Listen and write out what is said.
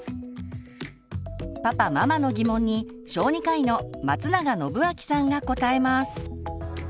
パパママの疑問に小児科医の松永展明さんが答えます。